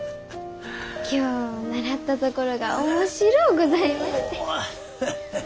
今日習ったところが面白うございまして。